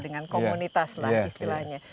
dengan komunitas lah istilahnya